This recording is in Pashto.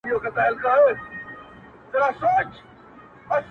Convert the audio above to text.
هر ستمګر ته د اغزیو وطن!!